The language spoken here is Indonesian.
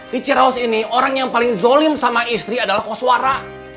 di cirawas ini orang yang paling zolim sama istri adalah koswara